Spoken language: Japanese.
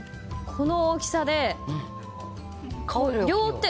この大きさで。